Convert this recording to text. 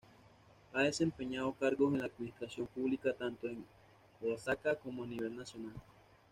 Ha desempeñado cargos en la administración pública tanto de Oaxaca como a nivel nacional.